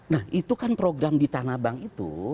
nah itu kan program di tanabang itu